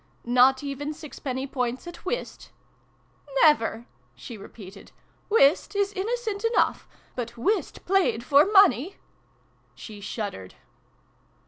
" Not even sixpenny points at whist ?"" Never !" she repeated. " Whist is inno cent enough : but whist played for money !" She shuddered.